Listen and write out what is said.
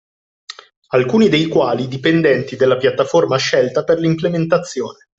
Alcuni dei quali dipendenti dalla piattaforma scelta per l’implementazione